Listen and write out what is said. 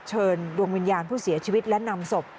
เชิญดวงวิญญาณผู้เสียชีวิตและนำศพ